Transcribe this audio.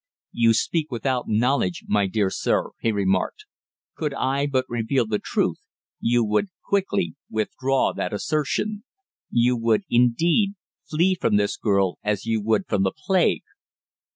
"You speak without knowledge, my dear sir," he remarked. "Could I but reveal the truth, you would quickly withdraw that assertion. You would, indeed, flee from this girl as you would from the plague!"